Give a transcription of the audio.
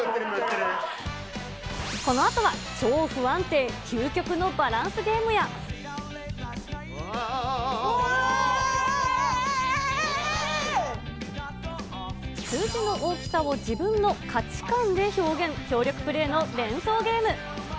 このあとは、超不安定、あああ！数字の大きさを自分の価値観で表現、協力プレーの連想ゲーム。